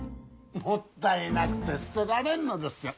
もったいなくて捨てられんのですよ